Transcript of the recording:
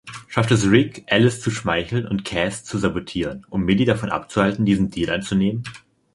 Schafft es Rick, Alice zu schmeicheln und Kaz zu sabotieren, um Millie davon abzuhalten, diesen Deal anzunehmen?